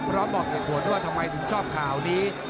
พร้อมบอกเด็กหัวด้วยทำไมคุณชอบข่าวนี้